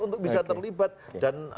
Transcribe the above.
untuk bisa terlibat dan